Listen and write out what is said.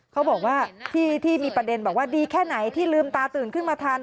เขาบอกว่าที่มีประเด็นบอกว่าดีแค่ไหนที่ลืมตาตื่นขึ้นมาทัน